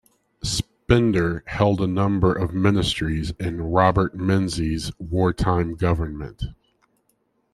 Spender held a number of ministries in Robert Menzies' wartime government.